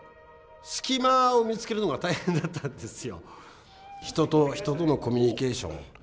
隙間を見つけるのが大変だったんですよ。